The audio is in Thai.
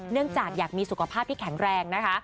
จากอยากมีสุขภาพที่แข็งแรงนะคะ